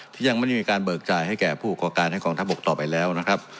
ที่ยังไม่ได้มีการเบิกจ่ายให้แก่ผู้ประกอบการให้กองทัพบกต่อไปแล้วนะครับ